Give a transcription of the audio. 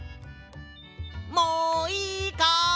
もういいかい！